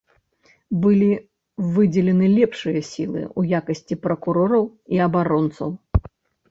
Былі выдзелены лепшыя сілы ў якасці пракурораў і абаронцаў.